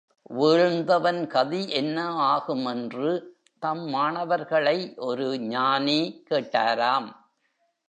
வீழ்ந்தவன் கதி என்ன ஆகும் என்று தம் மாணவர்களை ஒரு ஞானி கேட்டாராம்.